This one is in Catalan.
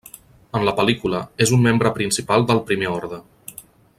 En la pel·lícula, és un membre principal del Primer Orde.